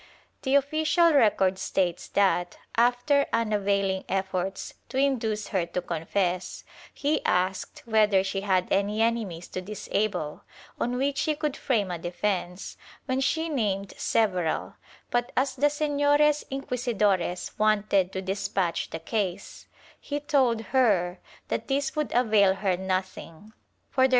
The official record states that, after unavailing efforts to induce her to confess, he asked whether she had any enemies to disable, on which he could frame a defence, when she named several, but, as the Senores Inquisidores wanted to despatch the case, he told her that this would avail her nothing, for there was ' Memorial jurfdico que por log Abopados de Prcsos, etc.